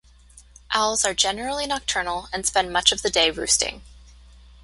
Owls are generally nocturnal and spend much of the day roosting.